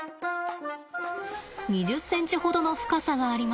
２０センチほどの深さがあります。